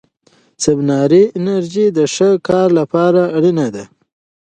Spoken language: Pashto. سباناري د انرژۍ د ښه کار لپاره اړینه ده.